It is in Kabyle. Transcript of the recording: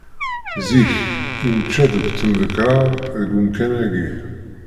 Zik, i nečča deg tmendekrar deg umkan-agi!